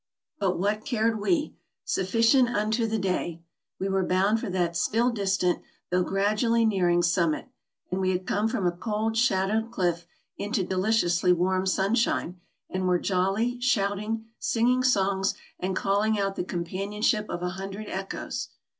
But what cared we? " Sufficient unto the day" —. We were bound for that still distant, though gradually nearing, summit; and we had come from a cold shadowed cliff into deliciously warm sunshine, and were jolly, shouting, singing songs, and call ing out the companionship of a hundred echoes.